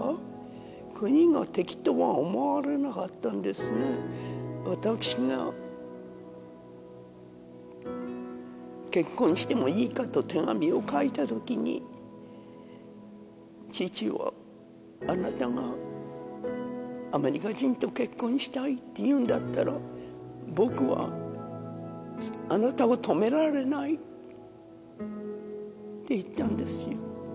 そして私が結婚してもいいかと手紙を書いた時に父はあなたがアメリカ人と結婚したいって言うんだったら僕はあなたを止められないって言ったんですよ